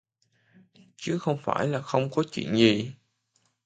Chứ không phải là không có chuyện gì